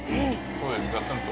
そうです